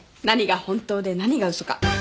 何が本当で何が嘘か。